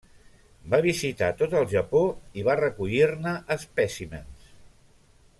Va visitar tot el Japó i va recollir-ne espècimens.